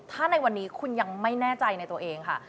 ถ้าในวันนี้คุณยังไม่แน่ใจในตัวเองค่ะ